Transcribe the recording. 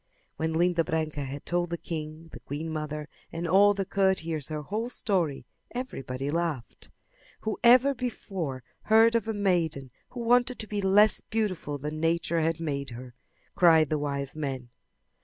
When Linda Branca had told the king, the queen mother and all the courtiers her whole story everybody laughed. "Who ever before heard of a maiden who wanted to be less beautiful than Nature had made her!" cried the wise men.